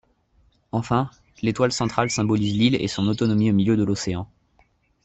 Enfin, l'étoile centrale symbolise l'île et son autonomie au milieu de l'océan.